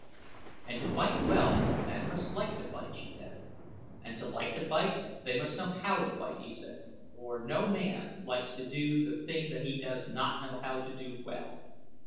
"And to fight well men must like to fight," she added. "And to like to fight they must know how to fight," he said, "for no man likes to do the thing that he does not know how to do well."